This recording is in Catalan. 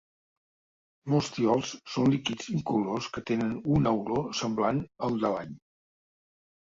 Molts tiols són líquids incolors que tenen una olor semblant al de l'all.